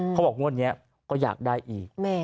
เขาบอกงวดนี้ก็อยากได้อีก